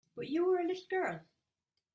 But you were a little girl.